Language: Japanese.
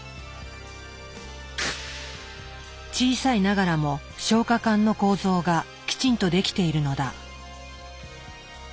小さいながらも消化管の構造がきちんとできているのだ。